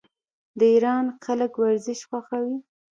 د ایران خلک ورزش خوښوي.